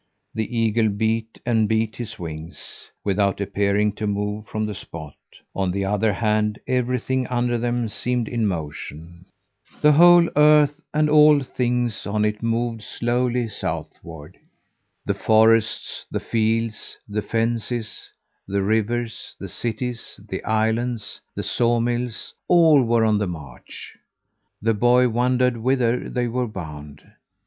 The eagle beat and beat his wings, without appearing to move from the spot; on the other hand, everything under them seemed in motion. The whole earth and all things on it moved slowly southward. The forests, the fields, the fences, the rivers, the cities, the islands, the sawmills all were on the march. The boy wondered whither they were bound.